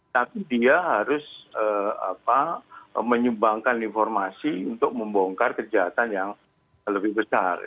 tapi dia harus menyumbangkan informasi untuk membongkar kejahatan yang lebih besar